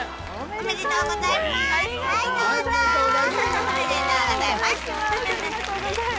おめでとうございます。